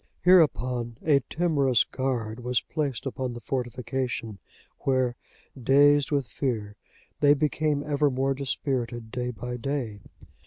Hereupon a timorous guard was placed upon the fortification, where, dazed with fear, they became ever more dispirited day by day.